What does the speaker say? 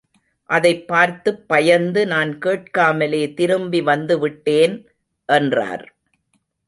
அதைப் பார்த்துப் பயந்து நான் கேட்காமலே திரும்பி வந்துவிட்டேன் —என்றார்.